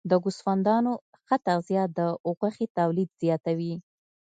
د ګوسفندانو ښه تغذیه د غوښې تولید زیاتوي.